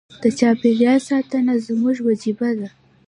د چاپیریال ساتنه زموږ وجیبه ده.